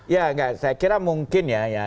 ya enggak saya kira mungkin ya